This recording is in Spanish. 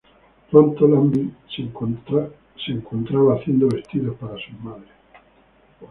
Pronto, Lanvin se encontraba haciendo vestidos para sus madres.